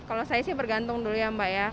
kalau saya sih bergantung dulu ya mbak ya